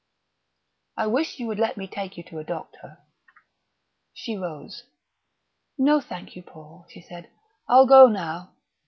"I wish you would let me take you to a doctor." She rose. "No, thank you, Paul," she said. "I'll go now.